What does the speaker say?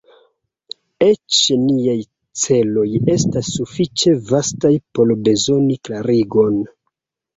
Eĉ niaj celoj estas sufiĉe vastaj por bezoni klarigon.